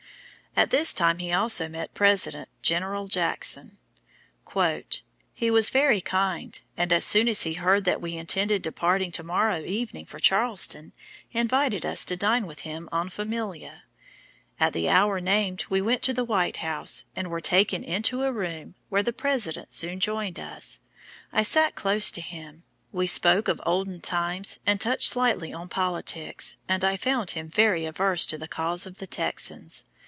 At this time he also met the President, General Jackson: "He was very kind, and as soon as he heard that we intended departing to morrow evening for Charleston, invited us to dine with him en famille. At the hour named we went to the White House, and were taken into a room, where the President soon joined us, I sat close to him; we spoke of olden times, and touched slightly on politics, and I found him very averse to the Cause of the Texans....